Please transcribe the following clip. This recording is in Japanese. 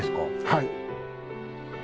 はい。